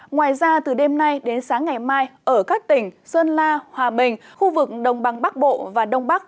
ngoài ra từ đêm nay đến sáng ngày mai ở các tỉnh sơn la hòa bình khu vực đồng bằng bắc bộ và đông bắc